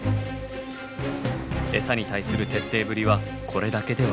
エサに対する徹底ぶりはこれだけではないんです。